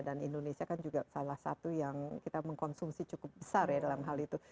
dan indonesia kan juga salah satu yang kita mengkonsumsi cukup besar ya dalam hal itu